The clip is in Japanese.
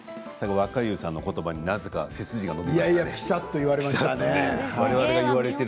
若勇さんの言葉になぜか背筋が伸びましたね。